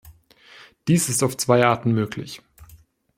Dies ist auf zwei Arten möglich.